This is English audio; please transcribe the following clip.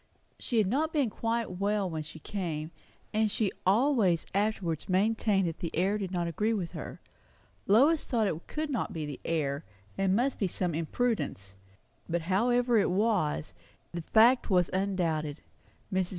She had not been quite well when she came; and she always afterwards maintained that the air did not agree with her. Lois thought it could not be the air, and must be some imprudence; but however it was, the fact was undoubted. Mrs.